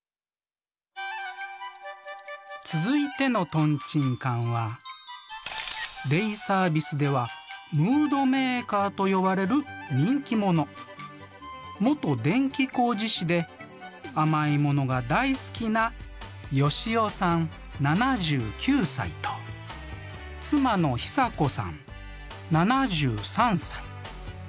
続いてのトンチンカンはデイサービスではムードメーカーと呼ばれる人気者元電気工事士であまいものが大好きなヨシオさん７９歳と妻のヒサコさん７３歳。